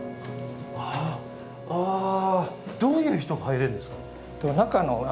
あああどういう人が入れるんですか？